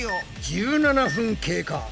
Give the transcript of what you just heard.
１７分経過。